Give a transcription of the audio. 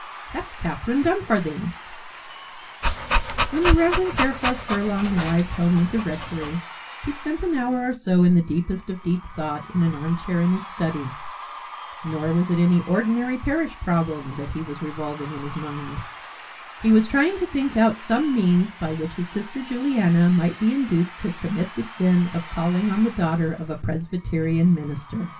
That's Catherine Dumfarthing!" When the Rev. Fareforth Furlong arrived home at the rectory he spent an hour or so in the deepest of deep thought in an armchair in his study. Nor was it any ordinary parish problem that he was revolving in his mind. He was trying to think out some means by which his sister Juliana might be induced to commit the sin of calling on the daughter of a presbyterian minister.